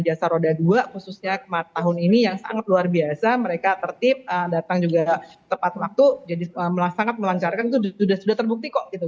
jasa roda dua khususnya tahun ini yang sangat luar biasa mereka tertib datang juga tepat waktu jadi sangat melancarkan itu sudah terbukti kok gitu